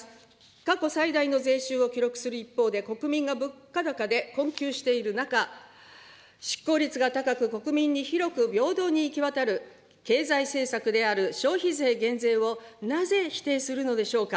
過去最大の税収を記録する一方で、国民が物価高で困窮している中、執行率が高く国民に広く平等に行き渡る経済政策である、消費税減税をなぜ否定するのでしょうか。